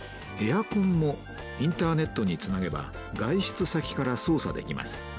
エアコンもインターネットにつなげば外出先から操作できます。